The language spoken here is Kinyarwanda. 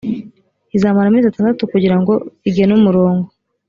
izamara amezi atandatu kugira ngo igene umurongo